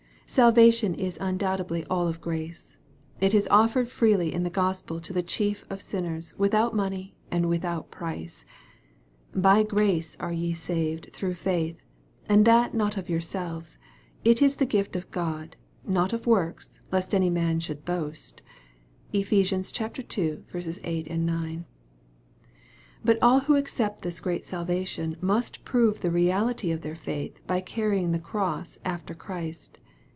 ^ Salvation is undoubtedly all of grace. It is offered freely in the Gospel to the chief of sinners, without money and without price. " By grace are ye saved through faith, and that not of yourselves ; it is the gift of God : not of works, lest any man should boast." (Ephes. ii. 8, 9.) But all who accept this great salvation, must prove the reality of their faith by carrying the cross after Christ.